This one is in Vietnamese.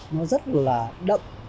nó rất là đậm